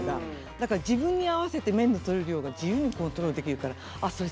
だから自分に合わせて麺の取れる量が自由にコントロールできるからあっそれ